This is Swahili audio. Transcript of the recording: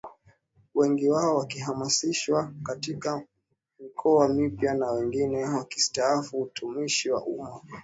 Wengi wao wakihamishiwa katika mikoa mipya na wengine wakistaafu utumishi wa umma